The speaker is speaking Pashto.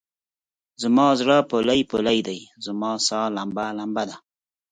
زما زړه پولۍ پولی دی، زما سا لمبه لمبه ده